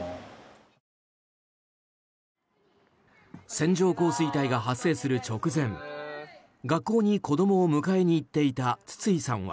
線状降水帯が発生する直前学校に子供を迎えに行っていた筒井さんは。